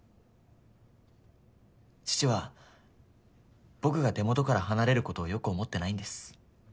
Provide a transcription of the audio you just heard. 父は僕が手元から離れることをよく思ってないんです。